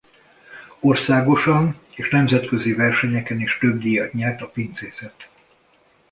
Országosan és nemzetközi versenyeken is több díjat nyert a pincészet.